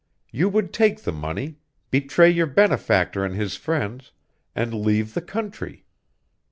You would take the money, betray your benefactor and his friends, and leave the country!